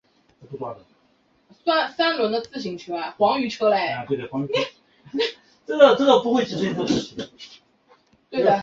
它们各负责驱动一副直径为的三叶螺旋桨。